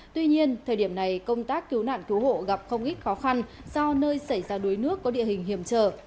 tuy nhiên thời điểm này công tác cứu nạn cứu hộ gặp không ít khó khăn do nơi xảy ra đuối nước có địa hình hiểm trở